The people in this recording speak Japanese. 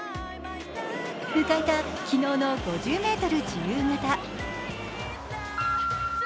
迎えた昨日の５０ｍ自由形。